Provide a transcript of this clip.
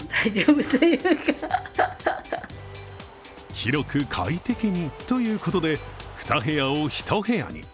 広く快適にということで２部屋を１部屋に。